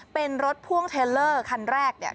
เป็นรถพ่วงเทลเลอร์คันแรกเนี่ย